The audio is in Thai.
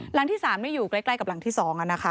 หลังที่๓ไม่อยู่ใกล้กับหลังที่๒นะคะ